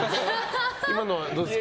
今のはどうですか？